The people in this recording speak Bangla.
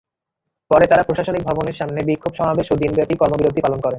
পরে তাঁরা প্রশাসনিক ভবনের সামনে বিক্ষোভ সমাবেশ এবং দিনব্যাপী কর্মবিরতি পালন করেন।